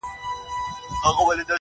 وايي اوس مړ يمه چي مړ سمه ژوندی به سمه~